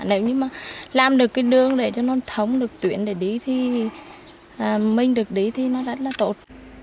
nếu như mà làm được cái đường để cho nó thống được tuyến để đi thì mình được đi thì nó rất là tốt